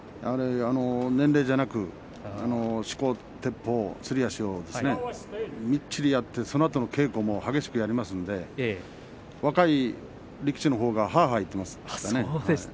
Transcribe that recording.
年齢じゃなくしこ、てっぽう、すり足をみっちりやってそのあとの稽古も激しくやりますので若い力士のほうがはあはあ言っていますね。